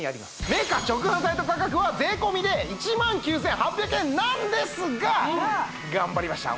メーカー直販サイト価格は税込で１万９８００円なんですが頑張りました